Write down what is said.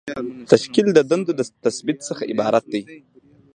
تشکیل د دندو د تثبیت څخه عبارت دی.